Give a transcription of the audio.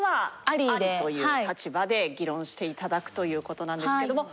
ありという立場で議論していただくという事なんですけども。